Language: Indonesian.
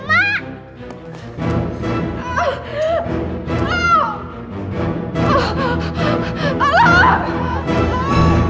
potengkulapa apa tuh kadang kadang